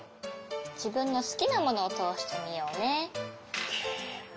じぶんのすきなものをとおしてみようね。